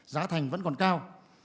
giá thành vẫn còn cao